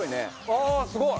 ああすごい！